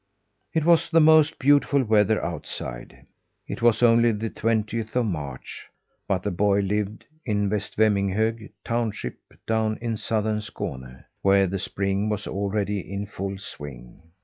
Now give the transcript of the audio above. It was the most beautiful weather outside! It was only the twentieth of March; but the boy lived in West Vemminghög Township, down in Southern Skane, where the spring was already in full swing.